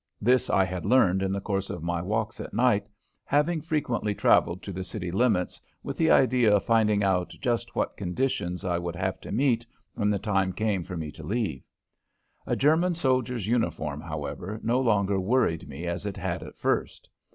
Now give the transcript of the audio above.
This I had learned in the course of my walks at night, having frequently traveled to the city limits with the idea of finding out just what conditions I would have to meet when the time came for me to leave. A German soldier's uniform, however, no longer worried me as it had at first.